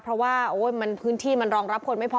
เพราะว่าพื้นที่มันรองรับคนไม่พอ